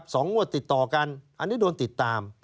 สองงวดติดต่อกันอันนี้โดนติดตาม